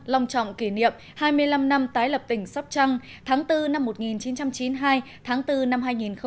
lòng trọng kỷ niệm hai mươi năm năm tái lập tỉnh sóc trăng tháng bốn năm một nghìn chín trăm chín mươi hai tháng bốn năm hai nghìn hai mươi